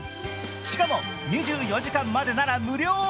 しかも２４時間までなら無料。